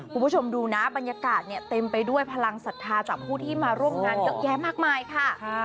คุณผู้ชมดูนะบรรยากาศเนี่ยเต็มไปด้วยพลังศรัทธาจากผู้ที่มาร่วมงานเยอะแยะมากมายค่ะ